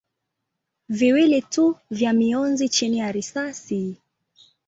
viwili tu vya mionzi chini ya risasi.